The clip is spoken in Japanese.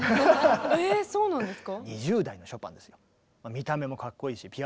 えそうなんですか？